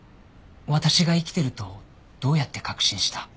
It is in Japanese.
私が生きているとどうやって確信した？